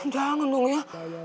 jangan dong ya